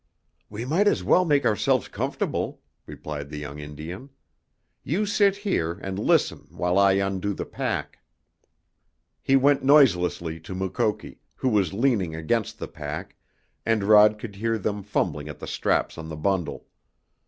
"We might as well make ourselves comfortable," replied the young Indian. "You sit here, and listen while I undo the pack." He went noiselessly to Mukoki, who was leaning against the pack, and Rod could hear them fumbling at the straps on the bundle.